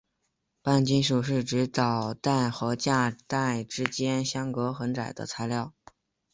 半金属是指导带和价带之间相隔很窄的材料。